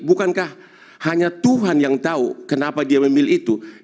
bukankah hanya tuhan yang tahu kenapa dia memilih itu